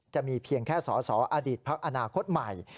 จะมีเพียงแค่สสอพอคใหม่